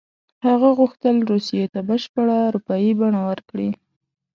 هغه غوښتل روسیې ته بشپړه اروپایي بڼه ورکړي.